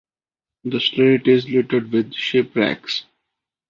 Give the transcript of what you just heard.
The strait is littered with shipwrecks.